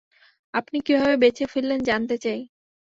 আপনি কিভাবে বেঁচে ফিরলেন জানতে চাই।